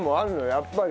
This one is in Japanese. やっぱり。